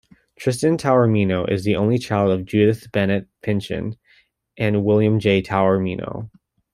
Tristan Taormino is the only child of Judith Bennett Pynchon and William J. Taormino.